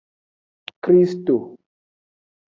Kristo.